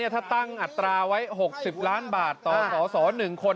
ถ้าตั้งอัตราไว้๖๐ล้านบาทต่อสส๑คน